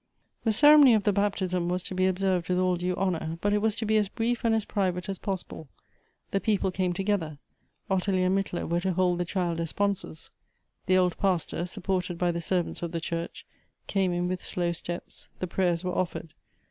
The ceremony of the baptism was to be observed with all due honor, but it was to be as brief and as pri\ ate as possible. The people came together ; Ottilie and Mittler were to hold the child as sponsors. The old pastor, sup ported by the servants of the church, came in with slow steps ; the prayers were offered.